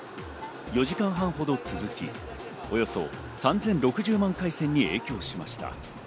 ４時間半ほど続き、およそ３０６０万回線に影響しました。